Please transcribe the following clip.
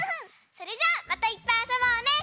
それじゃあまたいっぱいあそぼうね！